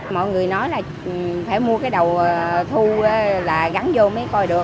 mọi người nói là phải mua cái đầu thu là gắn vô mới coi được